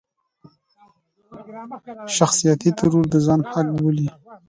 شخصيتي ترور د ځان حق بولي.